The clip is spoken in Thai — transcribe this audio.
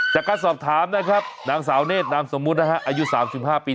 จากการสอบถามนะครับนางสาวเนธนามสมมุตินะฮะอายุ๓๕ปี